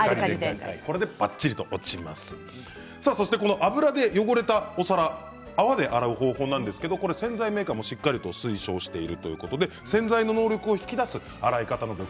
油で汚れたお皿泡で洗う方法なんですけど洗剤メーカーもしっかり推奨しているということで洗剤の能力を引き出す洗い方なんです。